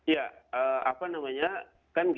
ya apa namanya kan gitu ya